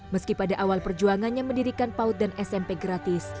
meski pada awal perjuangannya mendirikan paut dan smp gratis